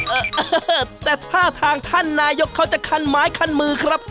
เออแต่ท่าทางท่านนายกเขาจะคันไม้คันมือครับ